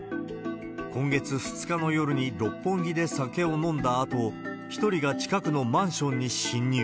今月２日の夜に六本木で酒を飲んだあと、１人が近くのマンションに侵入。